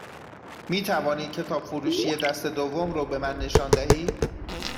می توانید کتاب فروشی دست دوم رو به من نشان دهید؟